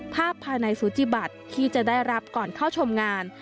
ภายในสุจิบัติที่จะได้รับก่อนเข้าชมงาน